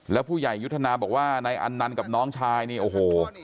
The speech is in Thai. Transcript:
แล้วผู้ใหญ่ยุทธนาบอกว่านายอันนันต์กับน้องชายนี่โอ้โห